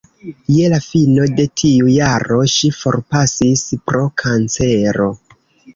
Je la fino de tiu jaro ŝi forpasis pro kancero.